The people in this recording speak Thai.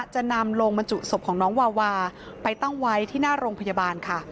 จะนำโรงบรรจุศพของน้องวาวาไปตั้งไว้ที่หน้าโรงพยาบาลค่ะ